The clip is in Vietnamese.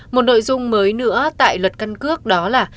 một nội dung mới nữa tại luật căn cước đó là